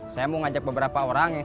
semoga zakat iuran